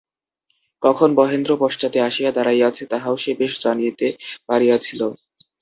কখন মহেন্দ্র পশ্চাতে আসিয়া দাঁড়াইয়াছে তাহাও সে বেশ জানিতে পারিয়াছিল।